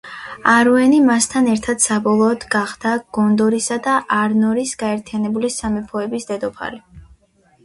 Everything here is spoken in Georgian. არუენი მასთან ერთად საბოლოოდ გახდა გონდორისა და არნორის გაერთიანებული სამეფოების დედოფალი.